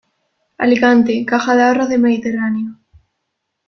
Alicante: Caja de Ahorros del Mediterráneo.